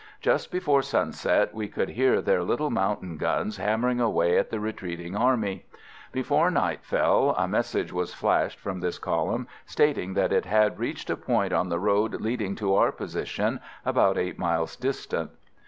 Just before sunset we could hear their little mountain guns hammering away at the retreating army. Before night fell a message was flashed from this column stating that it had reached a point on the road leading to our position, about 8 miles distant.